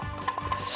よし！